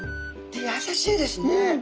やさしいですね。